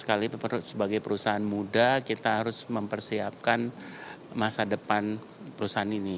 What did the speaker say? sekali sebagai perusahaan muda kita harus mempersiapkan masa depan perusahaan ini